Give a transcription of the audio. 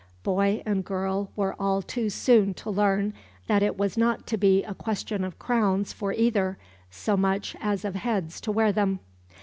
Boy and girl were all too soon to learn that it was not to be a question of crowns for either so much as of heads to wear them.